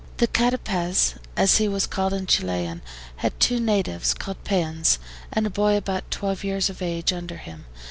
The CATAPEZ, as he was called in Chilian, had two natives called PEONS, and a boy about twelve years of age under him.